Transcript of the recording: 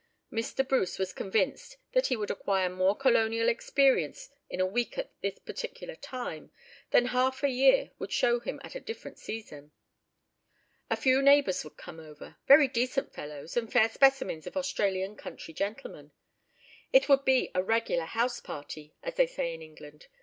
Mr. Bruce was convinced that he would acquire more colonial experience in a week at this particular time, than half a year would show him at a different season. A few neighbours would come over—very decent fellows, and fair specimens of Australian country gentlemen. It would be a regular "house party," as they say in England.